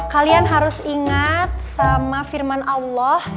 kalian harus ingat sama firman allah